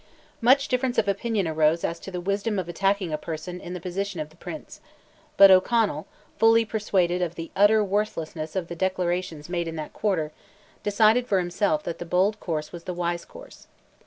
Much difference of opinion arose as to the wisdom of attacking a person in the position of the Prince; but O'Connell, fully persuaded of the utter worthlessness of the declarations made in that quarter, decided for himself that the bold course was the wise course.